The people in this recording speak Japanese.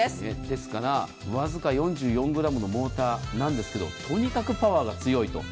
ですから、わずか４４ｇのモーターなんですがとにかくパワーが強いと。